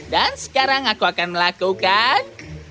dan sekarang aku akan melakukan